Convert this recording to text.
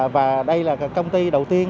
và đây là công ty đầu tiên